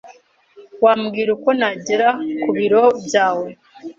Wambwira uko nagera ku biro byawe?